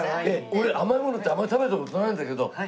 俺甘いものってあんまり食べた事ないんだけど。